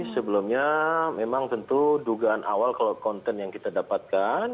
sebelumnya memang tentu dugaan awal kalau konten yang kita dapatkan